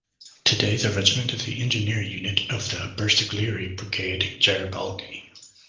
Today the regiment is the engineer unit of the Bersaglieri Brigade "Garibaldi".